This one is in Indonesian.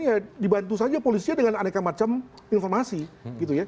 ya dibantu saja polisinya dengan aneka macam informasi